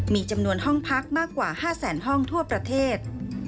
มีจำนวนห้องพักมากกว่า๕แสนห้องทั่วประเทศ